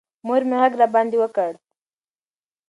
مور مې غږ راباندې وکړ.